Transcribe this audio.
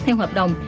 theo hợp đồng